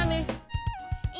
ayah minta ganti rugi